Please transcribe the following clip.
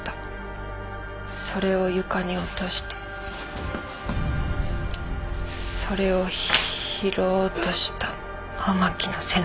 それを床に落としてそれを拾おうとした甘木の背中に。